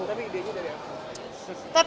tapi idenya dari aku